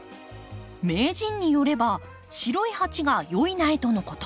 名人によれば白い鉢が良い苗とのこと。